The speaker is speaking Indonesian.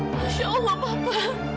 hasya allah papa